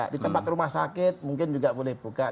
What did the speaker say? di tempat rumah sakit mungkin juga boleh buka